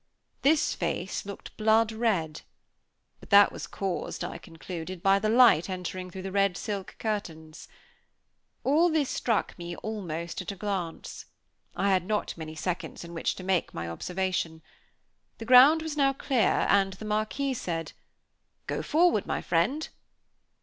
This face looked blood red; but that was caused, I concluded, by the light entering through the red silk curtains. All this struck me almost at a glance; I had not many seconds in which to make my observation. The ground was now clear, and the Marquis said, "Go forward, my friend."